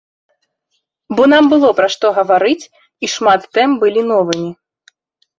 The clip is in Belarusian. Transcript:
Бо нам было пра што гаварыць і шмат тэм былі новымі.